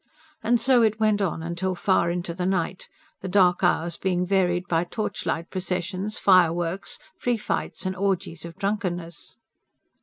And so it went on till far into the night, the dark hours being varied by torchlight processions, fireworks, free fights and orgies of drunkenness.